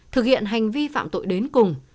thực hiện hành vi phạm tội đến cùng